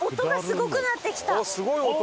すごい音！